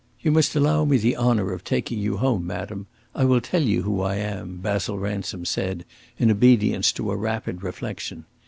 "You must allow me the honour of taking you home, madam; I will tell you who I am," Basil Ransom said, in obedience to a rapid reflexion.